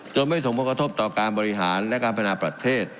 ไม่ส่งผลกระทบต่อการบริหารและการพัฒนาประเทศ